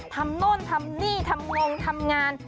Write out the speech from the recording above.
โน่นทำนี่ทำงงทำงาน